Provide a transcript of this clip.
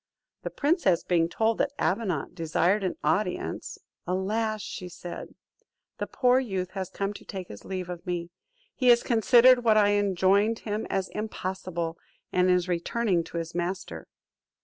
The princess being told that Avenant desired an audience: "Alas," said she, "the poor youth has come to take his leave of me! He has considered what I enjoined him as impossible, and is returning to his master."